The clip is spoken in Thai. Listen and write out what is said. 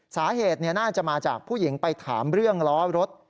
สาเหตุน่าจะมาจากผู้หญิงไปถามเรื่องล้อรถ